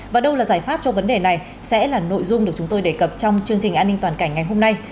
và đâu là giải pháp cho vấn đề này sẽ là nội dung được chúng tôi đề cập trong chương trình an ninh toàn cảnh ngày hôm nay